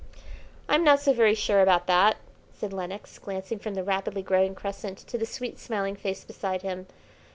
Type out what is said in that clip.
"I'm not so very sure about that," said Lenox, glancing from the rapidly growing crescent, to the sweet, smiling face beside him.